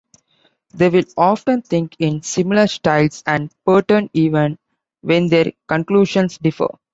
They will often think in similar styles and patterns even when their conclusions differ.